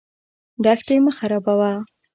دښتې مه خرابوه.